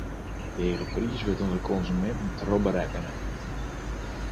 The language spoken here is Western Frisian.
Dy hege priis wurdt oan de konsuminten trochberekkene.